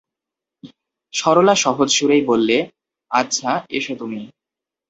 সরলা সহজ সুরেই বললে, আচ্ছা, এসো তুমি।